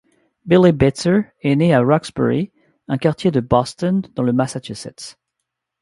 Billy Bitzer est né le à Roxbury, un quartier de Boston, dans le Massachusetts.